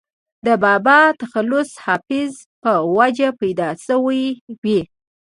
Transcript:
دَبابا دَ تخلص “حافظ ” پۀ وجه پېدا شوې وي